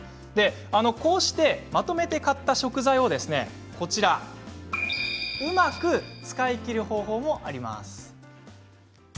こうしてまとめて買った食材をうまく使い切る方法があるんです。